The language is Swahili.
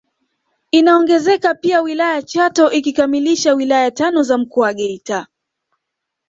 Inaongezeka pia wilaya ya Chato ikikamilisha wilaya tano za Mkoa wa Geita